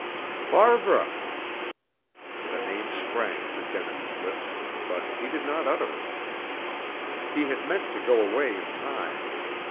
"Barbara!" The name sprang to Denin's lips, but he did not utter it. He had meant to go away in time.